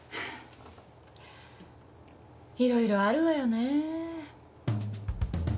いろいろあるわよね。